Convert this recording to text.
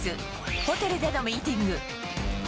ホテルでのミーティング。